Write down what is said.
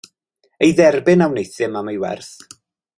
Ei dderbyn a wneuthum am ei werth.